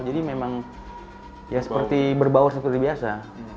jadi memang ya seperti berbaur seperti biasa